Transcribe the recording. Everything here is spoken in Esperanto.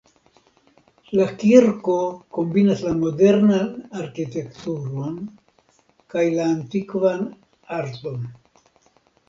La kirko kombinas la modernan arkitekturon kaj la antikvan arton.